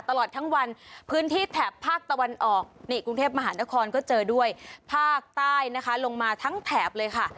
ตลอดทั้งวันพื้นที่แถบภาคตะวันออกนี่กรุงเทพมหานครก็เจอด้วยภาคใต้นะคะลงมาทั้งแถบเลยค่ะ